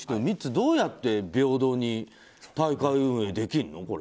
ミッツ、どうやって平等に大会運営できるの？